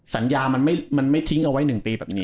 สัญญามันไม่ทิ้งเอาไว้๑ปีแบบนี้